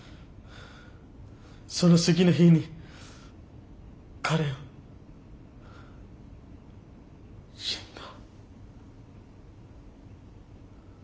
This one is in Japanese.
その次の日に彼は死んだ。